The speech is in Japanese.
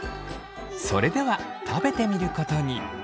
それでは食べてみることに。